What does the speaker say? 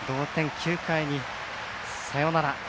９回に、サヨナラ。